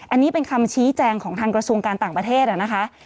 อันนี้เป็นคำชี้แจงของทางกระทรวงการต่างประเทศนะคะ